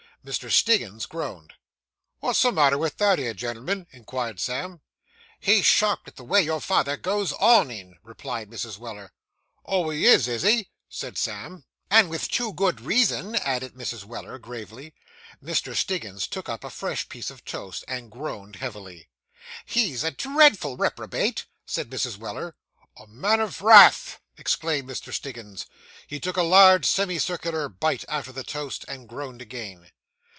Mr. Stiggins groaned. 'What's the matter with that 'ere gen'l'm'n?' inquired Sam. 'He's shocked at the way your father goes on in,' replied Mrs. Weller. 'Oh, he is, is he?' said Sam. 'And with too good reason,' added Mrs. Weller gravely. Mr. Stiggins took up a fresh piece of toast, and groaned heavily. 'He is a dreadful reprobate,' said Mrs. Weller. 'A man of wrath!' exclaimed Mr. Stiggins. He took a large semi circular bite out of the toast, and groaned again.